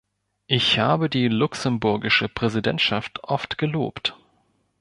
Ich habe die luxemburgische Präsidentschaft oft gelobt.